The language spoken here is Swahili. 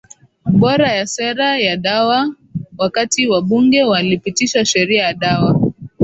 bora ya sera ya dawaWakati wabunge walipitisha Sheria ya Dawa